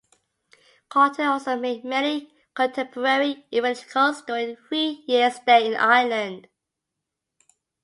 Cotton also met many contemporary evangelicals during a three-year stay in Ireland.